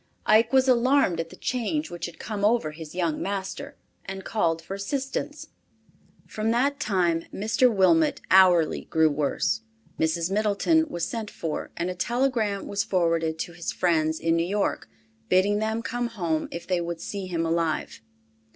Ike was alarmed at the change which had come over his young master, and called for assistance. From that time Mr. Wilmot hourly grew worse. Mrs. Middleton was sent for, and a telegram was forwarded to his friends in New York, bidding them come soon if they would see him alive.